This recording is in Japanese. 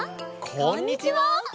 こんにちは！